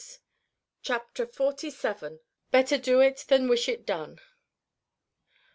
Chapter XLVII. Better Do It Than Wish It Done.